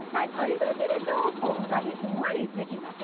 そうするとこんがりふんわりできますのでね。